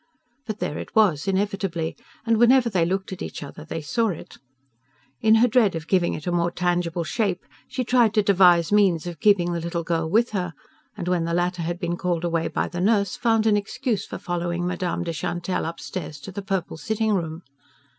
But there it was, inevitably, and whenever they looked at each other they saw it. In her dread of giving it a more tangible shape she tried to devise means of keeping the little girl with her, and, when the latter had been called away by the nurse, found an excuse for following Madame de Chantelle upstairs to the purple sitting room.